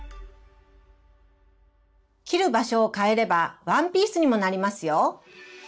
切る場所を変えればワンピースにもなりますよ。